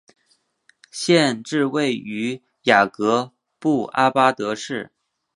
县治位于雅各布阿巴德市。